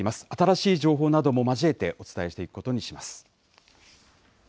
新しい情報なども交えてお伝えしていくことにします。